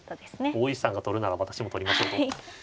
大石さんが取るならば私も取りましょうと。